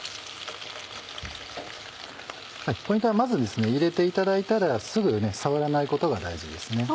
ポイントはまず入れていただいたらすぐ触らないことが大事ですね。